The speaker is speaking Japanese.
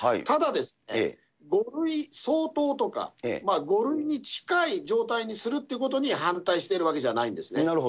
ただですね、５類相当とか、５類に近い状態にするということに反対しているわけじゃないんですね。